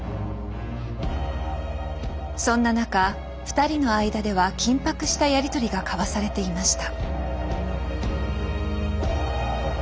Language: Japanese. そんな中二人の間では緊迫したやり取りが交わされていました。